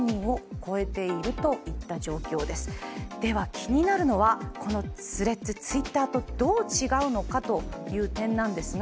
気になるのは、このＴｈｒｅａｄｓ、Ｔｗｉｔｔｅｒとどう違うのかという点なんですが。